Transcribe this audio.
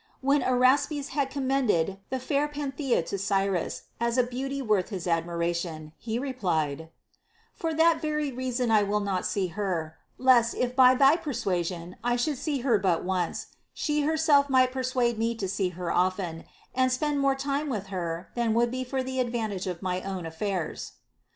When Araspes had commended the fair Panthea to Cyrus, as a beauty worth his admira tion, he replied : For that very reason I will not see her, lest, if by thy persuasion I should see her but once, she herself might persuade me to see her often, and spend more time with her than would be for the advantage of my own affairs.